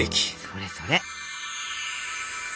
それそれ。